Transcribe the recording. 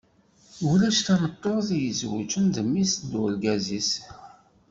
Ulac tameṭṭut i izewǧen d mmi-s n urgaz-is.